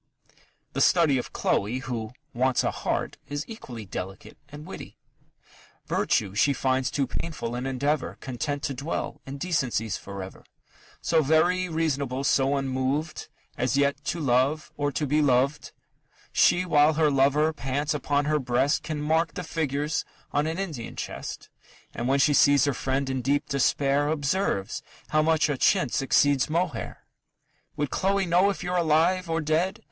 The study of Chloe, who "wants a heart," is equally delicate and witty: Virtue she finds too painful an endeavour, Content to dwell in decencies for ever So very reasonable, so unmoved, As never yet to love, or to be loved. She, while her lover pants upon her breast, Can mark the figures on an Indian chest; And when she sees her friend in deep despair, Observes how much a chintz exceeds mohair!... Would Chloe know if you're alive or dead?